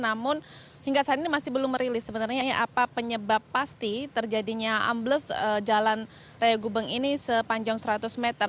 namun hingga saat ini masih belum merilis sebenarnya apa penyebab pasti terjadinya ambles jalan raya gubeng ini sepanjang seratus meter